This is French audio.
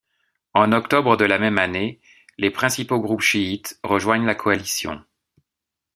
En octobre de la même année, les principaux groupes chiites rejoignent la coalition.